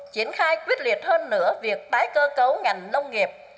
triển khai quyết liệt hơn nữa việc tái cơ cấu ngành nông nghiệp